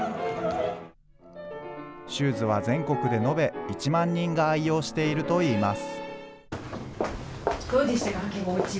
シューズは全国で延べ１万人が愛用しているといいます。